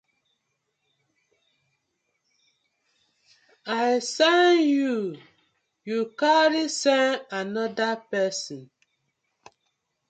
I sen yu, yu carry sen anoda pesin.